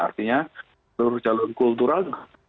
artinya seluruh jalur kultural